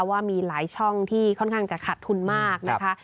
ว่ามีหลายช่องที่ค่อนข้างจะขัดทุนมากนะคะ